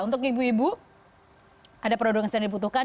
untuk ibu ibu ada produk yang sedang dibutuhkan